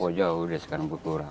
oh jauh udah sekarang berkurang